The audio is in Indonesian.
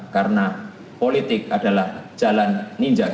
karena politik adalah jalan ninja kita